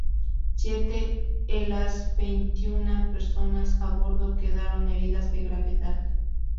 Siete e las veintiuna personas a bordo quedaron heridas de gravedad.